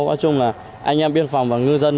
nói chung là anh em biên phòng và ngư dân